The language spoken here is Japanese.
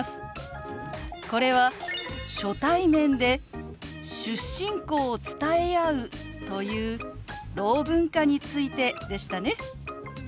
これは初対面で出身校を伝え合うというろう文化についてでしたね。